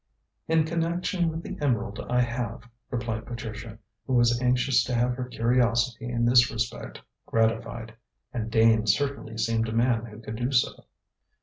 "In connection with the emerald I have," replied Patricia, who was anxious to have her curiosity in this respect gratified. And Dane certainly seemed a man who could do so.